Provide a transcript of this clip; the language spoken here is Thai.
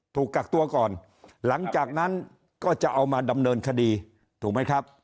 ถูกกักตัวก่อนหลังจากนั้นก็จะเอามาดำเนินคดีถูกไหมครับ